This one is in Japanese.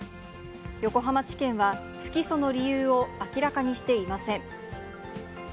横浜地検は不起訴の理由を明らかにしていません。